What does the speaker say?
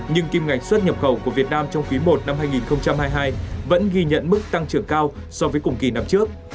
nhưng kim ngạch xuất nhập khẩu của việt nam trong quý i năm hai nghìn hai mươi hai vẫn ghi nhận mức tăng trưởng cao so với cùng kỳ năm trước